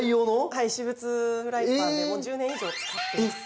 はい私物フライパンでもう１０年以上使ってます。